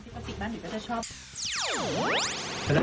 พอสิกบ้านหนึ่งก็จะชอบ